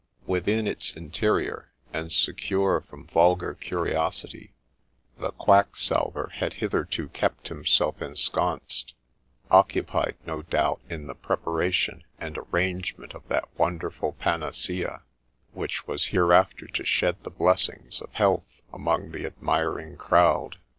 Within its interior, and secure from vulgar curiosity, the Quack salver had hitherto kept himself ensconced ; occupied, no doubt, in the preparation and arrange ment of that wonderful panacea which was hereafter to shed the blessings of health among the admiring crowd.